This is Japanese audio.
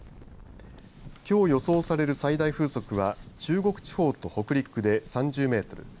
きょう予想される最大風速は中国地方と北陸で３０メートル